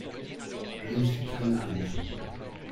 Je ne suis qu’un âne!